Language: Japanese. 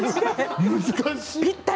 難しい。